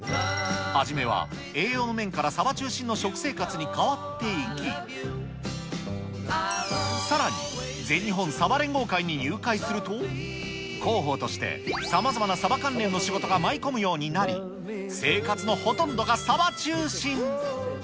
初めは、栄養面からサバ中心の食生活に変わっていき、さらに全日本さば連合会に入会すると、広報として、さまざまなサバ関連の仕事が舞い込むようになり、生活のほとんどがサバ中心。